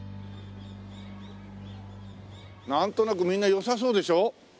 なんとなくみんな良さそうでしょ？